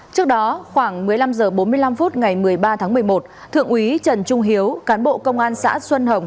trước đó khoảng một mươi năm h bốn mươi năm phút ngày một mươi ba tháng một mươi một thượng úy trần trung hiếu cán bộ công an xã xuân hồng